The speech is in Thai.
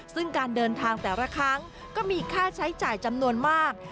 ซึ่งการเดินทางแต่ละครั้งก็มีค่าใช้จ่ายจำนวนมาก